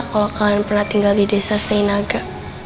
kalo kalian pernah tinggal di desa senaga